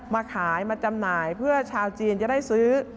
มาขายมาจำหน่ายเพื่อชาวจีนจะได้ซื้อ